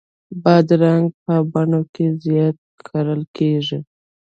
بادرنګ په بڼو کې زیات کرل کېږي.